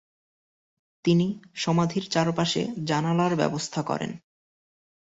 তিনি সমাধির চারপাশে জানালার ব্যবস্থা করেন।